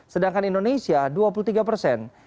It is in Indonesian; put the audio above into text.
sedangkan indonesia dua puluh tiga persen